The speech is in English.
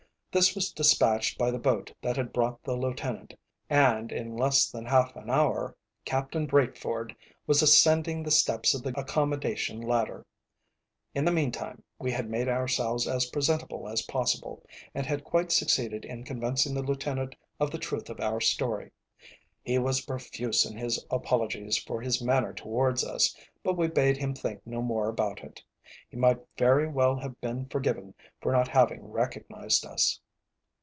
This was despatched by the boat that had brought the lieutenant, and in less than half an hour Captain Breatford was ascending the steps of the accommodation ladder. In the meantime we had made ourselves as presentable as possible, and had quite succeeded in convincing the lieutenant of the truth of our story. He was profuse in his apologies for his manner towards us, but we bade him think no more about it. He might very well have been forgiven for not having recognised us.